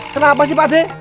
kenapa sih pade